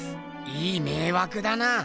いいめいわくだな。